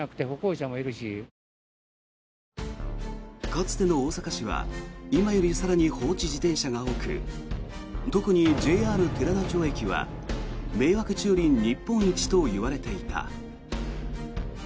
かつての大阪市は今より更に放置自転車が多く特にＪＲ寺田町駅は迷惑駐輪日本一と言われていた。